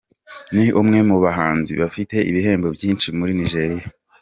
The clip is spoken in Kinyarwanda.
Ni umwe mu bahanzi bafite ibihembo byinshi muri Nigeria.